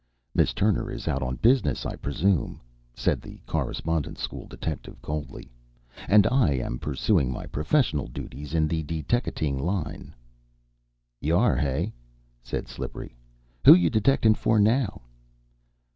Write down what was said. "Miss Turner is out on business, I presume," said the Correspondence School detective coldly, "and I am pursuing my professional duties in the deteckating line." "Yar, hey?" said Slippery. "Who you detectin' for now?"